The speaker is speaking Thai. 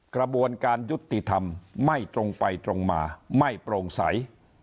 กระบวนการยุติธรรมไม่ตรงไปตรงมาไม่โปร่งใส